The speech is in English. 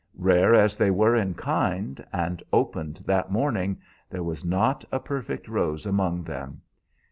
Rare as they were in kind, and opened that morning, there was not a perfect rose among them.